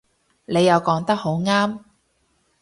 你又講得好啱